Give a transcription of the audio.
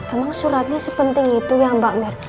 emang suratnya sepenting itu ya mbak merk